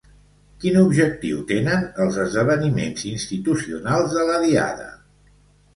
Quin objectiu tenen els esdeveniments institucionals de la Diada?